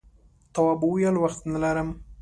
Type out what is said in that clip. تواب وویل وخت نه لرم.